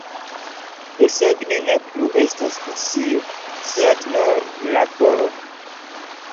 Desegni ne plu estas pasio, sed nur laboro.